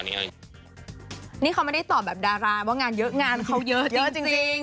นี่เขาไม่ได้ตอบแบบดาราว่างานเยอะงานเขาเยอะจริง